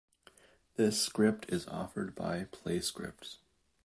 This script is offered by Playscripts.